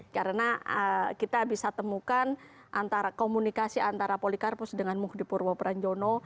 karena kita bisa temukan antara komunikasi antara polikarpus dengan muhyiddipur waparangjono